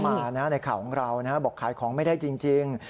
ที่ส่งเข้ามาในข่าวของเราบอกว่าขายของไม่ได้จริง